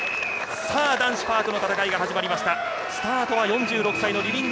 男子パークの戦いが始まりました。